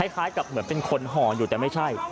คล้ายกับเหมือนเป็นคนห่ออยู่แต่ไม่ใช่